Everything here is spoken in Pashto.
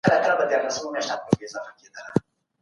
خصوصي سکتور د هیواد راتلونکی جوړوي.